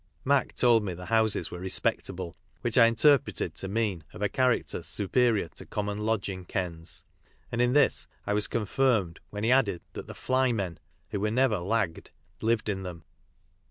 Mac told me the houses were "respectable," which I interpreted to mean of & character superior to common lodging kens, and in this I was confirmed when he added that the "fly " men, who were never " lagged," lived in them.